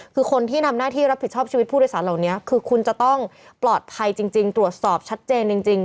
คือคนที่ทำหน้าที่รับผิดชอบชีวิตผู้โดยสารเหล่านี้คือคุณจะต้องปลอดภัยจริงตรวจสอบชัดเจนจริง